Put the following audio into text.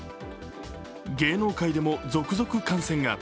芸能界でも続々感染が。